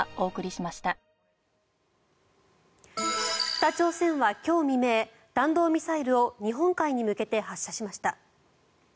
北朝鮮は今日未明弾道ミサイルを日本海に向けて発射しました。